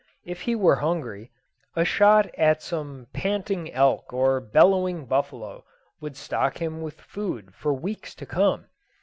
If he were hungry, a shot at some panting elk or bellowing buffalo would stock him with food for weeks to come.